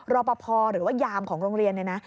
รปภหรือว่ายามของโรงเรียน